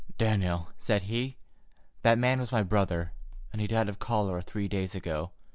"Daniel," said he, "that man was my brother, and he died of cholera three days ago.